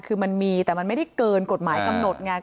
คือมันมีแต่มันไม่ได้เกินกฎหมายกำหนดไง